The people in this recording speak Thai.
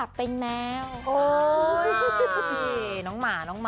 อันนี้แหลมอันนี้แหลม